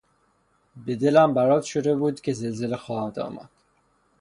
به دلم برات شده بود که زلزله خواهد آمد.